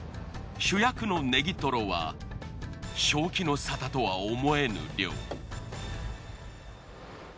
主役のネギトロは正気の沙汰とは思えぬ量。